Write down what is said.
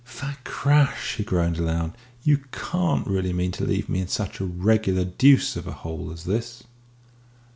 "Fakrash!" he groaned aloud, "you can't really mean to leave me in such a regular deuce of a hole as this?"